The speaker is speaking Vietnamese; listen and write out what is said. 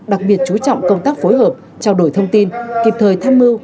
đặc biệt chú trọng công tác phối hợp trao đổi thông tin kịp thời tham mưu